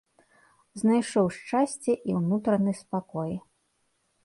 Знайшоў шчасце і ўнутраны спакой.